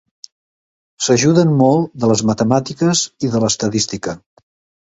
S'ajuden molt de les matemàtiques i de l'estadística.